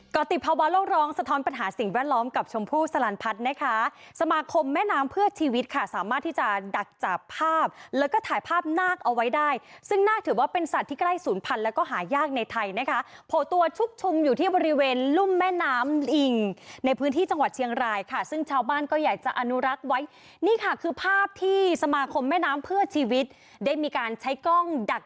ก็ติดภาวะโลกร้องสะท้อนปัญหาสิ่งแวดล้อมกับชมพู่สลันพัฒน์นะคะสมาคมแม่น้ำเพื่อชีวิตค่ะสามารถที่จะดักจากภาพแล้วก็ถ่ายภาพนากเอาไว้ได้ซึ่งน่าถือว่าเป็นสัตว์ที่ใกล้ศูนย์พันธุ์แล้วก็หายากในไทยนะคะโผล่ตัวชุบชุมอยู่ที่บริเวณลุ่มแม่น้ำอิ่งในพื้นที่จังหวัดเชียง